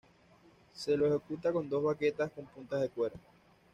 Se lo ejecuta con dos baquetas con puntas de cuero.